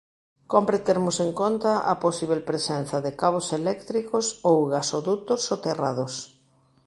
Cómpre termos en conta a posíbel presenza de cabos eléctricos ou gasodutos soterrados.